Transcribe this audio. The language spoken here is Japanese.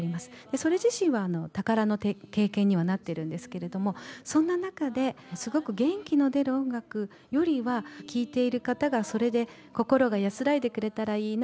それ自身は宝の経験にはなっているんですけれどもその中ですごく元気の出る音楽よりは聴いている方が、それで心が安らいでくれたらいいな